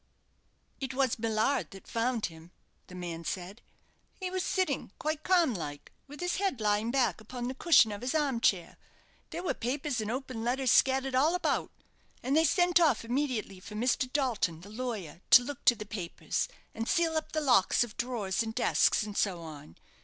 "It was Millard that found him," the man said. "He was sitting, quite calm like, with his head lying back upon the cushion of his arm chair. There were papers and open letters scattered all about; and they sent off immediately for Mr. Dalton, the lawyer, to look to the papers, and seal up the locks of drawers and desks, and so on.